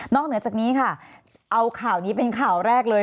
เหนือจากนี้ค่ะเอาข่าวนี้เป็นข่าวแรกเลย